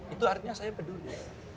itu artinya saya peduli